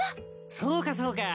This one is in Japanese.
そうかそうか。